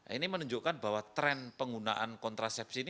ini menunjukkan bahwa tren penggunaan kontrasepsi ini